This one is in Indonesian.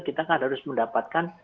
kita kan harus mendapatkan